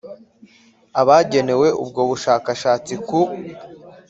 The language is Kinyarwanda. Abagenewe ubwo bushakashatsi ku